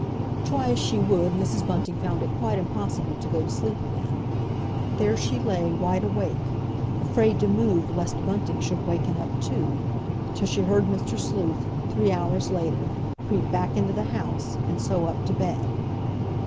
Try as she would, Mrs. Bunting found it quite impossible to go to sleep again. There she lay wide awake, afraid to move lest Bunting should waken up too, till she heard Mr. Sleuth, three hours later, creep back into the house and so up to bed.